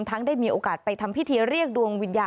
ได้มีโอกาสไปทำพิธีเรียกดวงวิญญาณ